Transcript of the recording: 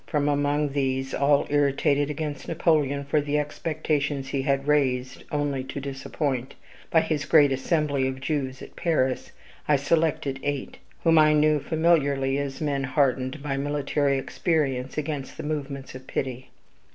From among these, all irritated against Napoleon for the expectations he had raised, only to disappoint, by his great assembly of Jews at Paris, I selected eight, whom I knew familiarly as men hardened by military experience against the movements of pity.